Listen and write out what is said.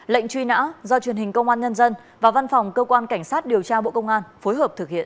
lệnh truy nã do truyền hình công an nhân dân và văn phòng cơ quan cảnh sát điều tra bộ công an phối hợp thực hiện